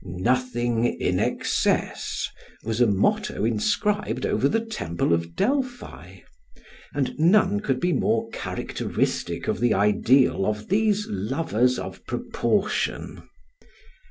"Nothing in excess," was a motto inscribed over the temple of Delphi; and none could be more characteristic of the ideal of these lovers of proportion.